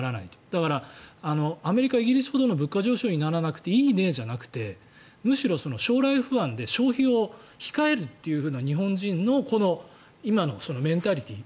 だからアメリカ、イギリスほどの物価上昇にならなくていいねじゃなくてむしろ、将来不安で消費を控えるという日本人の今のメンタリティー。